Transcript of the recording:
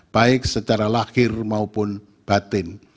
baik secara lahir maupun batin